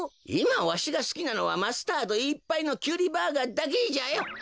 いまわしがすきなのはマスタードいっぱいのキュウリバーガーだけじゃよ！